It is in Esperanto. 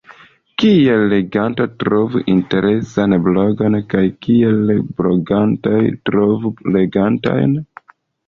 Kiel leganto trovu interesan blogon kaj kiel bloganto trovu legantojn?